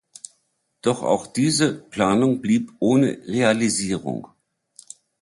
Doch auch diese Planung blieb ohne Realisierung.